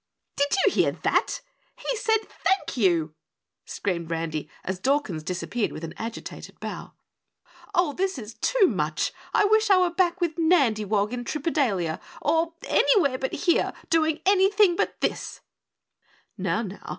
"Did you hear that? He said 'Thank you,'" screamed Randy as Dawkins disappeared with an agitated bow. "Oh, this is too much; I wish I were back with Nandywog in Tripedalia or anywhere but here, doing anything but this." "Now, now!